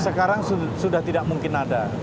sekarang sudah tidak mungkin ada